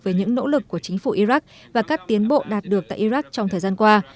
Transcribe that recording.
về những nỗ lực của chính phủ iraq và các tiến bộ đạt được tại iraq trong thời gian qua